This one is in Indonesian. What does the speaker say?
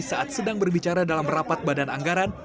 saat sedang berbicara dalam rapat badan anggaran